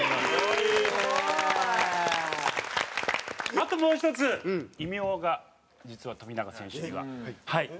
あともう１つ異名が実は富永選手にはございまして。